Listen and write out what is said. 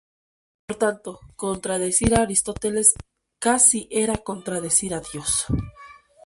Por tanto, contradecir a Aristóteles casi era contradecir a Dios.